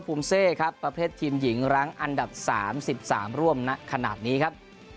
ภูมิเซครับประเภททีมหญิงรั้งอันดับ๓๓ร่วมณขนาดนี้ครับ